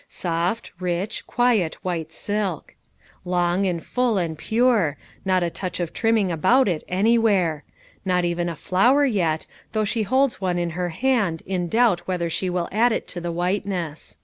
Soft, rich, quiet white silk. Long and full and pure ; not a touch of trimming about it anywhere* Not even a flower yet, though she holds one in her hand in doubt whether she will add it to the whiteness.